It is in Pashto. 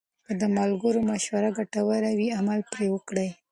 که د ملګرو مشوره ګټوره وي، عمل پرې وکړئ.